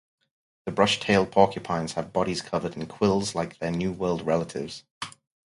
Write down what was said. The brush-tailed porcupines have bodies covered in quills like their New World relatives.